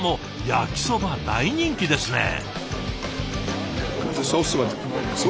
焼きそば大人気ですねえ。